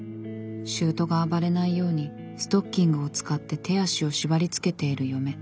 しゅうとが暴れないようにストッキングを使って手足を縛りつけている嫁。